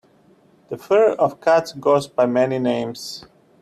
The fur of cats goes by many names.